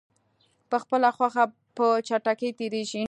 په خپله خوښه په چټکۍ تېریږي.